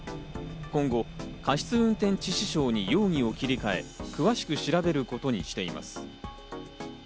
今後、過失運転致死傷に容疑を切り替え、詳しく調べることにしています。